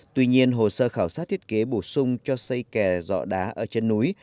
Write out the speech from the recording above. tuy nhiên hồ sơ khảo sát thiết kế bổ sung cho xây kè dọ đá ở chân núi